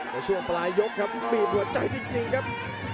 ในช่วงปลายยกครับบีบหัวใจจริงครับ